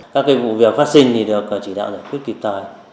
các vụ việc phát sinh thì được chỉ đạo giải quyết kịp thời